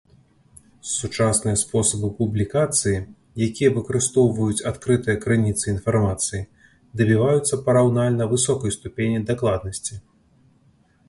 Сучасныя спосабы публікацыі, якія выкарыстоўваюць адкрытыя крыніцы інфармацыі, дабіваюцца параўнальна высокай ступені дакладнасці.